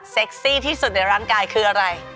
ซี่ที่สุดในร่างกายคืออะไร